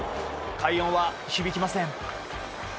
快音は響きません。